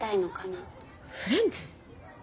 フレンズ？